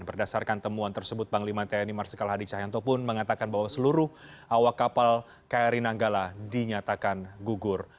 berdasarkan temuan tersebut panglima tni marsikal hadi cahyanto pun mengatakan bahwa seluruh awak kapal kri nanggala dinyatakan gugur